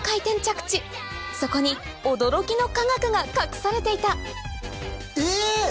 そこに驚きの科学が隠されていたえ！